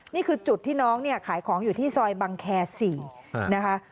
นี่คือจุดที่น้องเนี่ยขายของอยู่ที่ซอยบังแคร์๔นะคะ